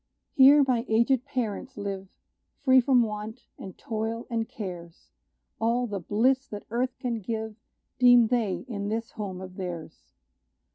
Here my aged parents live Free from want, and toil, and cares; All the bliss that earth can give Deem they in this home of theirs.